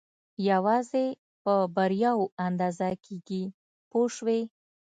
یوازې په بریاوو اندازه کېږي پوه شوې!.